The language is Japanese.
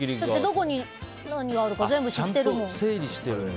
どこに何があるか全部知ってるもん。